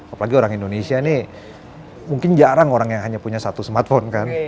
apalagi orang indonesia ini mungkin jarang orang yang hanya punya satu smartphone kan